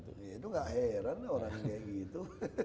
itu gak heran lah orangnya gitu